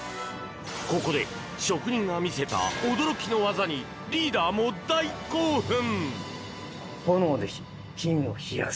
ここで、職人が見せた驚きの技にリーダーも大興奮！